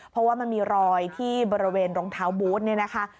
เพราะว่ามันมีรอยที่บริเวณรองเท้าบูธเนี่ยนะคะ